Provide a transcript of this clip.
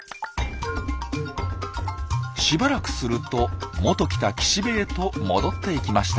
しばらくするともと来た岸辺へと戻っていきました。